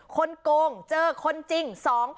คนโกงเจอคนจริง๒๐๒๐